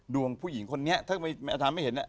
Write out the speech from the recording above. ดวงผู้หญิงคนนี้ถ้าอาจารย์ไม่เห็นน่ะ